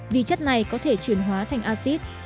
lactose này có thể chuyển hóa thành axit